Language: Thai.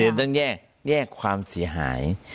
ไม่ต้องแยกแยกความเสียหาย